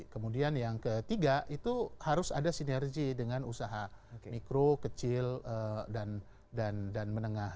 kemudian yang ketiga itu harus ada sinergi dengan usaha mikro kecil dan menengah